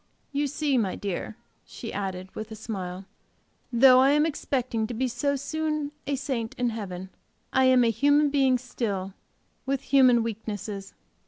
"You see, my dear," she added, with a smile, "though I am expecting to be so soon a saint in heaven, I am a human being still, with human weaknesses.